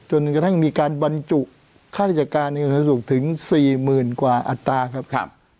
จนกระทั่งมีการบรรจุค่าธิศการในสาธารณสุขถึงสี่หมื่นกว่าอัตราครับครับ